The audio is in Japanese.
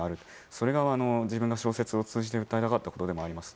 それが、自分が小説を通じて訴えたかったことでもあります。